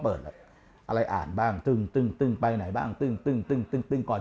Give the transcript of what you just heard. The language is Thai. เปิดอะไรอ่านบ้างตึงตึงตึงไปไหนบ้างตึงตึงตึงตึงก่อน